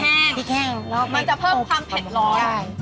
มันจะเพิ่มความเผ็ดร้อน